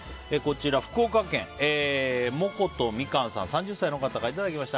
福岡県、３０歳の方からいただきました。